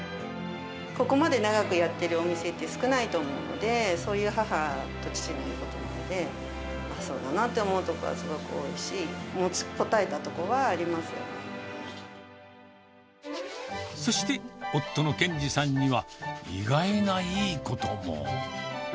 ここまで長くやっているお店って少ないと思うので、そういう母と父の言うことなので、そうだなと思うところはすごく多いし、持ちこたえたところはありそして、夫の健志さんには意外ないいことも。